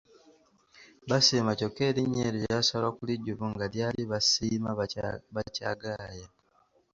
Basiima kyokka erinnya eryo lyasalwa ku lijjuvu nga lyali Basiimabakyagaaya.